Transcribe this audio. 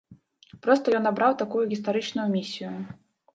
Проста ён абраў такую гістарычную місію.